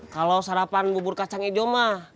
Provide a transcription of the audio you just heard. kalau sarapan bubur kacang hijau mah